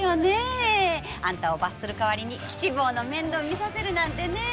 あんたを罰する代わりに吉坊の面倒を見させるなんて。